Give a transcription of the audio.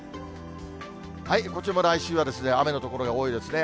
こちらも来週は雨の所が多いですね。